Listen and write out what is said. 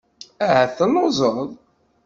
Ahat telluẓeḍ.